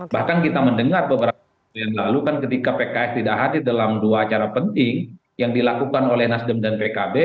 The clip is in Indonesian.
bahkan kita mendengar beberapa yang lalu kan ketika pks tidak hadir dalam dua acara penting yang dilakukan oleh nasdem dan pkb